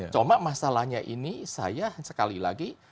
cuma masalahnya ini saya sekali lagi